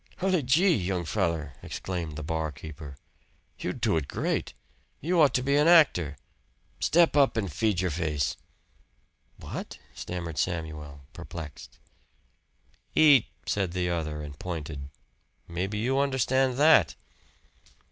"Hully gee, young feller!" exclaimed the bar keeper. "You do it great. You ought to be an actor. Step up and feed your face." "What?" stammered Samuel, perplexed. "EAT!" said the other, and pointed. "Maybe you understand that."